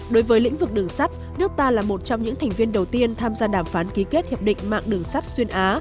đối với lĩnh vực đường sắt nước ta là một trong những thành viên đầu tiên tham gia đàm phán ký kết hiệp định mạng đường sắt xuyên á